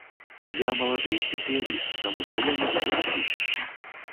Я малады спецыяліст, таму што я нібыта вучуся.